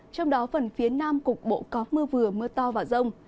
trong đó phần phía nam cục bộ có mưa vừa mưa to và rông